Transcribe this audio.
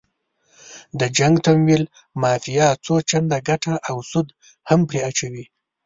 د جنګ د تمویل مافیا څو چنده ګټه او سود هم پرې اچوي.